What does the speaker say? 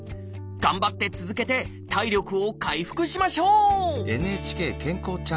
頑張って続けて体力を回復しましょう！